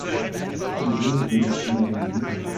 Im Süden sind es immerhin sieben.